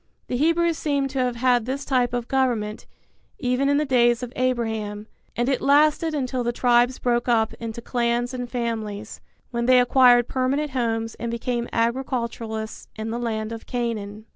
The Hebrews seem to have had this type of government, even in the days of Abraham; and it lasted until the tribes broke up into clans and families, when they acquired permanent homes and became agriculturists in the land of Canaan.